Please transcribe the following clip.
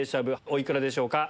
お幾らでしょうか？